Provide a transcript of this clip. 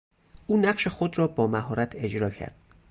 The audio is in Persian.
او نقش خود را با مهارت اجرا کرد.